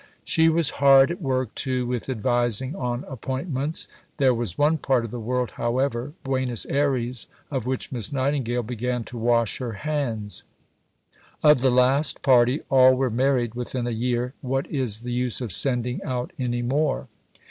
She was hard at work, too, with advising on appointments. There was one part of the world, however Buenos Ayres of which Miss Nightingale began to wash her hands. "Of the last party, all were married within a year; what is the use of sending out any more?"